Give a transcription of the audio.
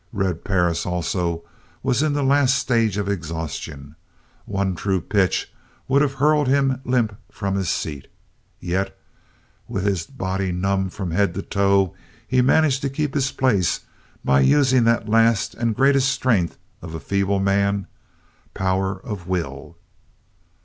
Red Perris also was in the last stage of exhaustion one true pitch would have hurled him limp from his seat yet, with his body numb from head to toe, he managed to keep his place by using that last and greatest strength of feeble man power of will.